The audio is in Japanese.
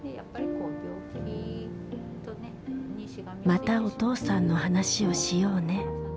「またお父さんの話をしようね」